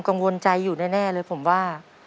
กังวลใจอยู่แน่เลยผมว่า